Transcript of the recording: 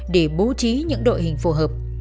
để bố trí những đội hình phù hợp